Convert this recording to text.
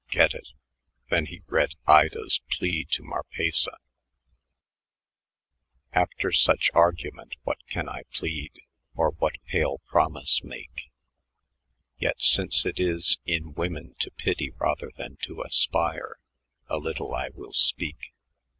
Get it," Then he read Idas's plea to Marpessa: "'After such argument what can I plead? Or what pale promise make? Yet since it is In women to pity rather than to aspire, A little I will speak.